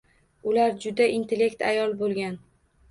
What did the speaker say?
Ular juda intellegent ayol boʻlgan.